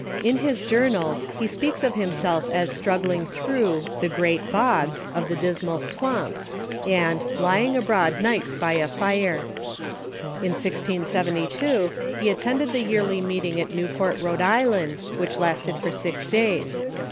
In his journals he speaks of himself as struggling through "the great bogs" of the Dismal Swamji, and "lying abroad nights by a fire." In 1G72 he attended the Yearly Meeting at Newport, Rhode Island, which lasted for six. days.